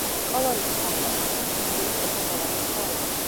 კოლორიტის აქცენტს ქმნის სინგურის ოდნავ მოვარდისფრო ლაქა.